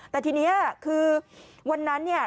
แต่ทีนี้คือวันนั้นเนี่ย